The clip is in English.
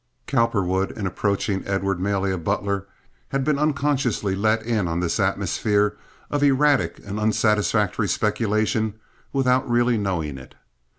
Cowperwood, in approaching Edward Malia Butler, had been unconsciously let in on this atmosphere of erratic and unsatisfactory speculation without really knowing it.